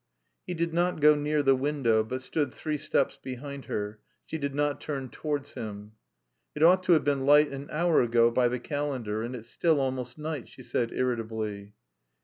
He did not go near the window, but stood three steps behind her; she did not turn towards him. "It ought to have been light an hour ago by the calendar, and it's still almost night," she said irritably.